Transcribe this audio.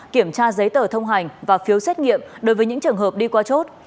kiểm tra giấy tờ thông hành và phiếu xét nghiệm đối với những trường hợp đi qua chốt